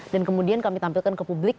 dan kemudian kami tampilkan ke publik